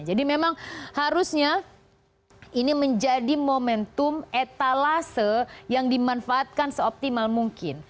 jadi memang harusnya ini menjadi momentum etalase yang dimanfaatkan seoptimal mungkin